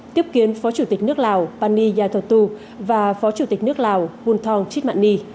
tiếp kiến phó chủ tịch nước lào pani yai thuật tu và phó chủ tịch nước lào bun thong chit man ni